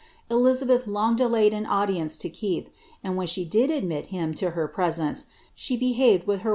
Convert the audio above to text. Elizabeth long delayed an audience to Keith, and when she did admit him to her presence, she behaved with ^Murdma State Papers, p.